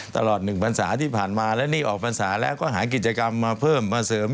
ตลอด๑พันศาที่ผ่านมาและนี่ออกพรรษาแล้วก็หากิจกรรมมาเพิ่มมาเสริม